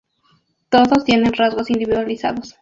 Todos tienen rasgos individualizados.